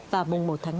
và mùng một tháng năm